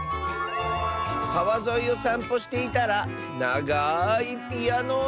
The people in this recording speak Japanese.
「かわぞいをさんぽしていたらながいピアノをみつけた！」。